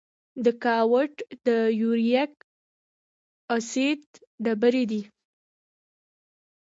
د ګاؤټ د یوریک اسید ډبرې دي.